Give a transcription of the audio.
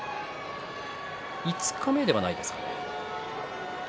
五日目ではないですか。